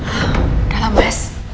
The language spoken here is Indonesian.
udah lah miss